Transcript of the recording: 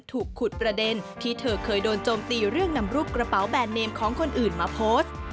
ถูกขุดประเด็นที่เธอเคยโดนโจมตีเรื่องนำรูปกระเป๋าแบรนเนมของคนอื่นมาโพสต์